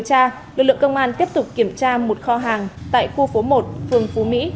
công an tỉnh bình dương